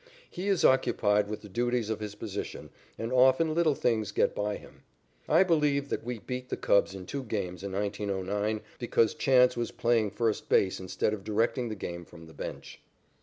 He is occupied with the duties of his position and often little things get by him. I believe that we beat the Cubs in two games in 1909 because Chance was playing first base instead of directing the game from the bench.